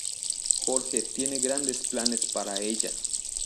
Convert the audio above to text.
Jorge tiene grandes planes para ella.